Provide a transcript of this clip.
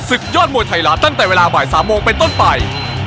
ศึกยอดมวยไทยรัฐตั้งแต่เวลาบ่าย๓โมงเป็นต้นไป